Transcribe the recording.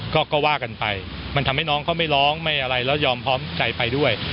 ก็ว่ากันไปมันทำให้น้องเขาไม่ร้องไม่อะไรแล้วยอมพร้อมใจไปด้วย